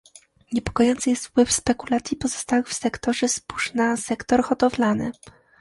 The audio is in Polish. Niepokojący jest wpływ spekulacji powstałych w sektorze zbóż na sektor hodowlany